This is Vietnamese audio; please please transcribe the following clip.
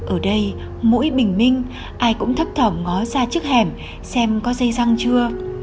ở đây mũi bình minh ai cũng thấp thỏm ngó ra trước hẻm xem có dây răng chưa